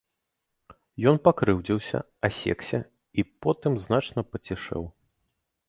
Ён пакрыўдзіўся, асекся і потым значна пацішэў.